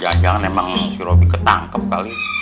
jangan jangan emang si robi ketangkep kali